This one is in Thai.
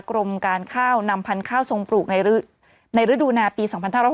กรมการข้าวนำพันธุ์ข้าวทรงปลูกในฤดูนาปี๒๕๖๒